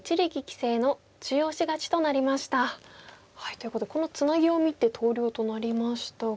ということでこのツナギを見て投了となりましたが。